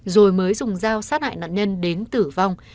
rồi mới dùng dao sát hại nạn nhân đến tử vong